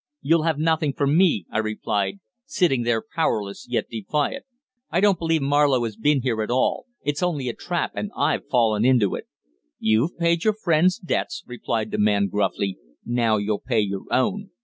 "You'll have nothing from me," I replied, sitting there powerless, yet defiant. "I don't believe Marlowe has been here at all! It's only a trap, and I've fallen into it!" "You've paid your friend's debts," replied the man gruffly; "now you'll pay your own."